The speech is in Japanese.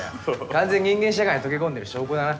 完全人間社会に溶け込んでる証拠だな。